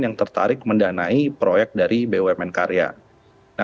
yang tertarik mendanai proyek dari bumn karya